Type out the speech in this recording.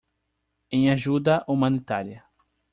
Em ajuda humanitária